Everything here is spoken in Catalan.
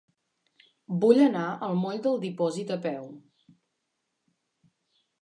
Vull anar al moll del Dipòsit a peu.